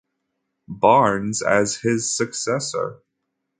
Barnes as his successor.